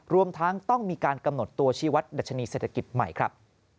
รวมทั้งต้องมีการกำหนดตัวชีวัตรดัชนีเศรษฐกิจใหม่ครับ